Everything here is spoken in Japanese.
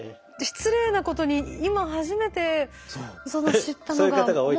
失礼なことに今初めて知ったのが。